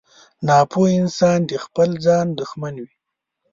• ناپوه انسان د خپل ځان دښمن وي.